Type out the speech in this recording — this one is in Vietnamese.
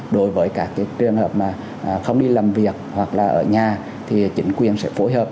đối với các trường hợp mà không đi làm việc hoặc là ở nhà thì chính quyền sẽ phối hợp